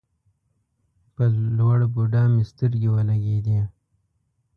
په لوړ بودا مې سترګې ولګېدې.